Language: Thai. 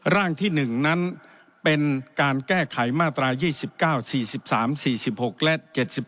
ร่างที่๑นั้นเป็นการแก้ไขมาตรา๒๙๔๓๔๖และ๗๔